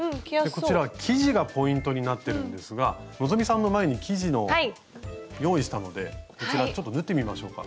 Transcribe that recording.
生地がポイントになってるんですが希さんの前に生地の用意したのでこちらちょっと縫ってみましょうか。